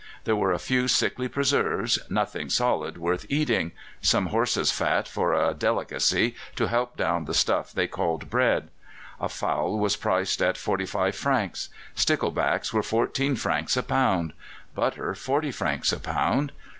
There were a few sickly preserves, nothing solid worth eating some horses' fat for a delicacy to help down the stuff they called bread. A fowl was priced at forty five francs; stickleback were fourteen francs a pound; butter, forty francs a pound.